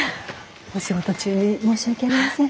お仕事中に申し訳ありません。